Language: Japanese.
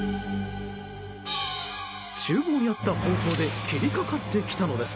厨房にあった包丁で切りかかってきたのです。